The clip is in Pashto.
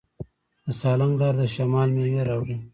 د سالنګ لاره د شمال میوې راوړي.